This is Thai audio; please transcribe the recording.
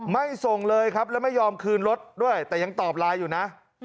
ไม่ส่งเลยครับแล้วไม่ยอมคืนรถด้วยแต่ยังตอบไลน์อยู่นะ